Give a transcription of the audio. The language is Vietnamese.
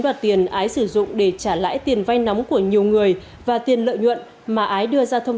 đoạt tiền ái sử dụng để trả lãi tiền vay nóng của nhiều người và tiền lợi nhuận mà ái đưa ra thông